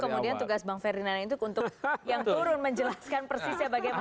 dan itu kemudian tugas bang ferdinand itu untuk yang turun menjelaskan persisnya bagaimana